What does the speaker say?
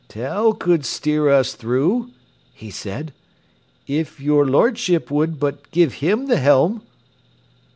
"Tell could steer us through," he said, "if your lordship would but give him the helm."